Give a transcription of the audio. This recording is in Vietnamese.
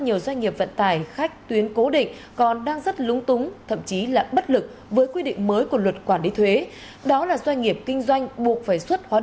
nếu các bị can trên không ra đầu thú trong giai đoạn điều tra cơ quan điều tra coi đó là từ bỏ quyền tự bào chữa